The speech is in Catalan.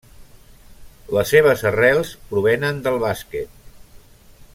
Les seves arrels provenen del bàsquet.